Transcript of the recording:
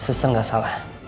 suster gak salah